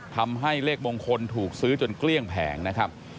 ทำให้เลขมงคลถูกซื้อจนเกลี้ยงแผงนะครับ